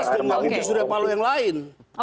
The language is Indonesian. dan pak suryapalo yang lain